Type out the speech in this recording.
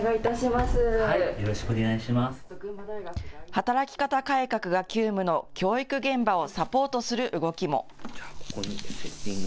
働き方改革が急務の教育現場をサポートする動きも。